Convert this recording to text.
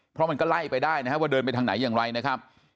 เพราะมันก็ไล่ไปได้นะครับว่าเดินไปทางไหนอย่างไรนะครับ